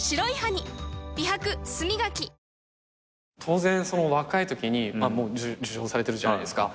当然その若いときに受賞されてるじゃないですか。